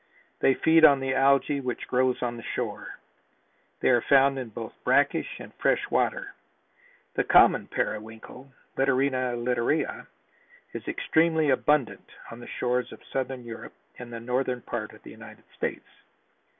They feed on the algae which grows on the shore. They are found in both brackish and fresh water. The common periwinkle (Littorina littorea) is extremely abundant on the shores of southern Europe and the northern part of the United States.